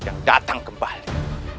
yang datang kembali